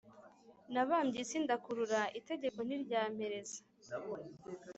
nabambye isi ndakurura itegeko ntiryampereza